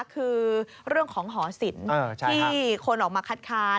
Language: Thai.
คือเรื่องของหอศิลป์ที่คนออกมาคัดค้าน